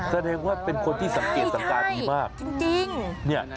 แสดงว่าเป็นคนที่สังเกตสังการีมากจริงเนี่ย